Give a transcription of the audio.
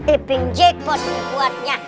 iping jaypot dibuatnya